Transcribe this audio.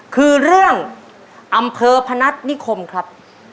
คือเรื่องอำเภอพนัฐนิคมครับ